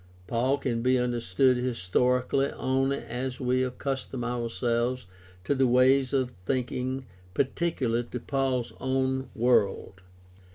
Paul can be understood historically only as we accustom ourselves to the ways of thinking peculiar to Paul's own world.